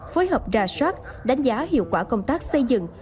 phối hợp ra soát đánh giá hiệu quả công tác xây dựng